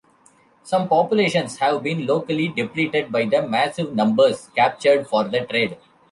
Some populations have been locally depleted by the massive numbers captured for the trade.